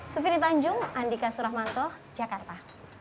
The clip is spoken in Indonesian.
sufini tanjung andika suramanto jakarta